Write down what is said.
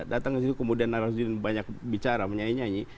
datang ke sini kemudian najarudin banyak bicara menyanyi nyanyi